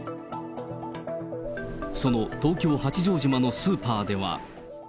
その東京・八丈島のスーパーでは。